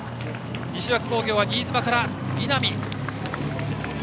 西脇工業は新妻から稲見。